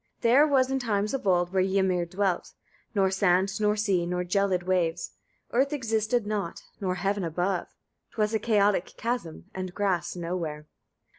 3. There was in times of old, where Ymir dwelt, nor sand nor sea, nor gelid waves; earth existed not, nor heaven above, 'twas a chaotic chasm, and grass nowhere.